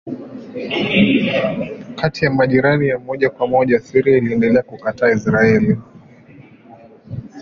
Kati ya majirani ya moja kwa moja Syria iliendelea kukataa Israeli.